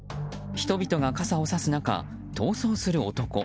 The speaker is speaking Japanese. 人々が傘をさす中、逃走する男。